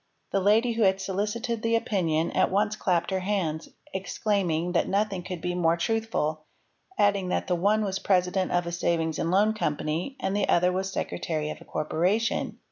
'' The lady who had solicited the opinion at once clapped her hands, exclaiming that nothing could be more truthful, adding that the one was president of a savings and loan company and the other was secretary of a corporation.